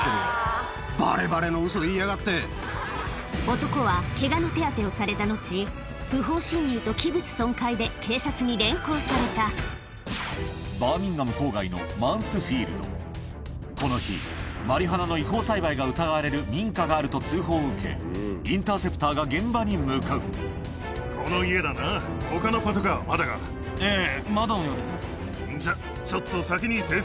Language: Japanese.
男はケガの手当てをされた後バーミンガム郊外のこの日マリフアナの違法栽培が疑われる民家があると通報を受けインターセプターが現場に向かうええ。